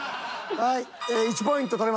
はい。